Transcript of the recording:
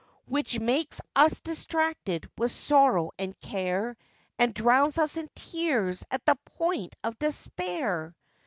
Which makes us distracted with sorrow and care, And drowns us in tears at the point of despair.